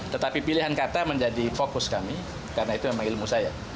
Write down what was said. tetapi pilihan kata menjadi fokus kami karena itu memang ilmu saya